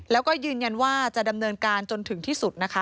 แล้วก็ยืนยันว่าจะดำเนินการจนถึงที่สุดนะคะ